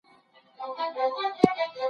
ډیپلوماټیکي اړیکي باید پر متقابل باور ولاړي وي.